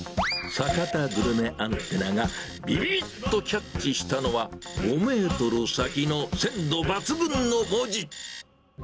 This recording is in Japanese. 坂田グルメアンテナが、びびっとキャッチしたのは、５メートル先の鮮度抜群の文字。